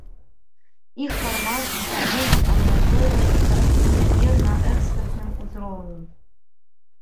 Іх фармат, механізм абмяркоўваюцца цяпер на экспертным узроўні.